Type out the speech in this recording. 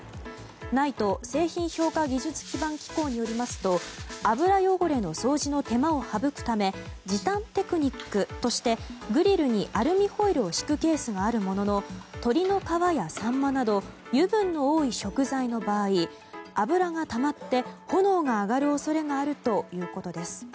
ＮＩＴＥ・製品評価技術基盤機構によりますと油汚れの掃除の手間を省くため時短テクニックとして、グリルにアルミホイルを敷くケースがあるものの鶏の皮やサンマなど油分の多い食材の場合油がたまって炎が上がる恐れがあるということです。